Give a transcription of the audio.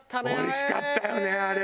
おいしかったよねあれは。